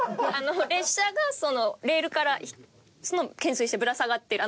列車がレールから懸垂してぶら下がってる。